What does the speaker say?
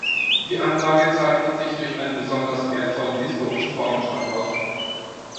Die Anlage zeichnet sich durch einen besonders wertvollen historischen Baumbestand aus.